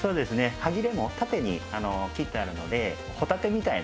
歯切れも縦に切ってあるのでホタテみたいな。